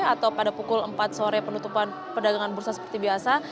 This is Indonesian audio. atau pada pukul empat sore penutupan perdagangan bursa seperti biasa